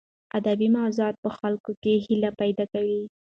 ادبي موضوعات په خلکو کې هیله پیدا کوي.